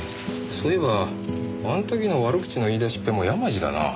そういえばあの時の悪口の言い出しっぺも山路だな。